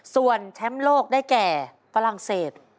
ส่วนแชมป์โลกได้แก่ฝรั่งเศส